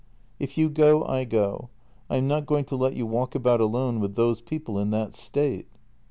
"If you go, I go — I am not going to let you walk about alone with those people in that state."